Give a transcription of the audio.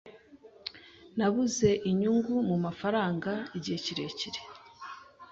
Nabuze inyungu mumafaranga igihe kirekire